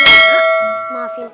terima kasih ya put